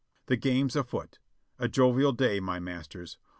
The game's afoot! A jovial day, my masters!